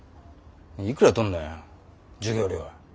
いくら取んのよ授業料。